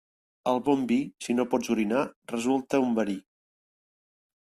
El bon vi, si no pots orinar, resulta un verí.